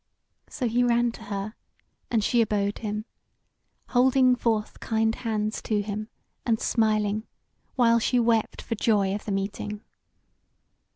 So he ran to her, and she abode him, holding forth kind hands to him, and smiling, while she wept for joy of the meeting.